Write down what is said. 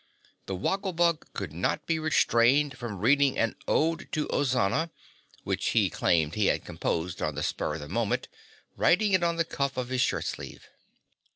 The Woggle Bug could not be restrained from reading an "Ode to Ozana," which he claimed he had composed on the spur of the moment, writing it on the cuff of his shirt sleeve.